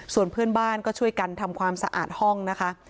ส่วนเพื่อนบ้านก็ช่วยกันทำความสะอาดห้องนะคะ